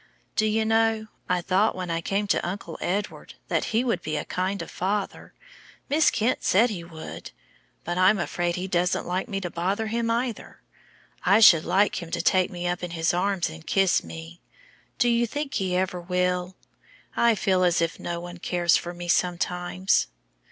Do you know, I thought when I came to Uncle Edward that he would be a kind of father; Miss Kent said he would. But I'm afraid he doesn't like me to bother him either. I should like him to take me up in his arms and kiss me. Do you think he ever will? I feel as if no one cares for me sometimes."